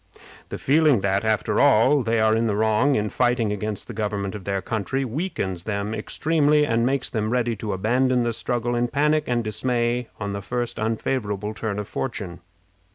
The feeling that, after all, they are in the wrong in fighting against the government of their country, weakens them extremely, and makes them ready to abandon the struggle in panic and dismay on the first unfavorable turn of fortune.